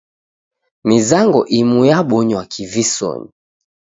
Mizango imu yabonywa kivisonyi.